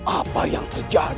apa yang berlaku